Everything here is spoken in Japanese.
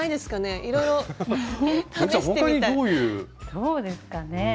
どうですかねえ。